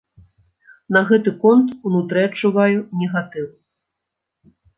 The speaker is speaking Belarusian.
На гэты конт унутры адчуваю негатыў.